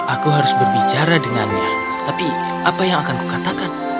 aku harus berbicara dengannya tapi apa yang akan kukatakan